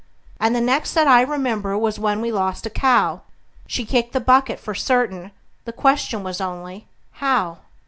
And the next that I remember was when we lost a cow; She had kicked the bucket for certain, the question was only How?